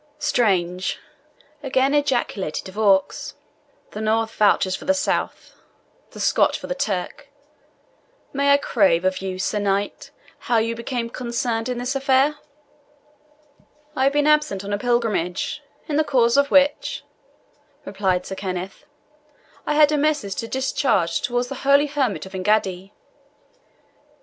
"Strange!" again ejaculated De Vaux; "the North vouches for the South the Scot for the Turk! May I crave of you, Sir Knight, how you became concerned in this affair?" "I have been absent on a pilgrimage, in the course of which," replied Sir Kenneth "I had a message to discharge towards the holy hermit of Engaddi."